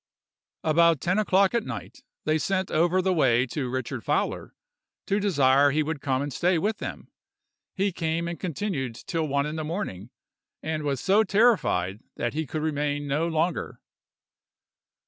"About ten o'clock at night, they sent over the way to Richard Fowler, to desire he would come and stay with them. He came and continued till one in the morning, and was so terrified that he could remain no longer.